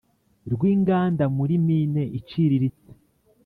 rw inganda muri mine iciriritse